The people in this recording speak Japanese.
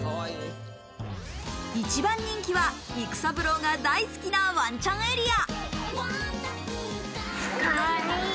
一番人気は育三郎が大好きなワンちゃんエリア。